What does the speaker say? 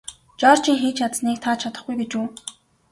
Жоржийн хийж чадсаныг та чадахгүй гэж үү?